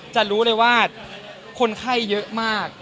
จะรู้เลยว่าคนไข้เยอะมาก